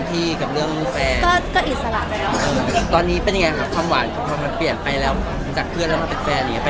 แทบจะไม่ได้ปรับตัวอะไรเลยค่ะ